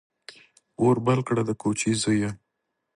اور بل کړه ، د کوچي زریه !